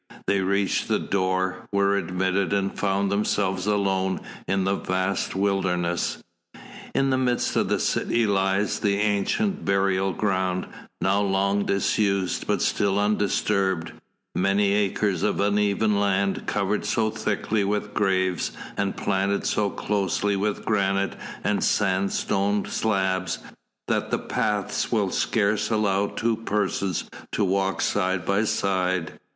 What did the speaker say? They reached the door, were admitted and found themselves alone in the vast wilderness. In the midst of the city lies the ancient burial ground, now long disused but still undisturbed, many acres of uneven land, covered so thickly with graves, and planted so closely with granite and sandstone slabs, that the paths will scarce allow two persons to walk side by side.